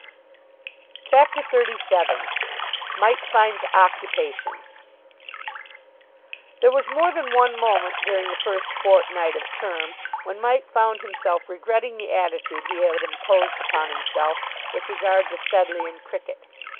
CHAPTER XXXVII MIKE FINDS OCCUPATION There was more than one moment during the first fortnight of term when Mike found himself regretting the attitude he had imposed upon himself with regard to Sedleighan cricket.